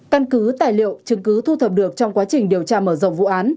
căn cứ tài liệu chứng cứ thu thập được trong quá trình điều tra mở rộng vụ án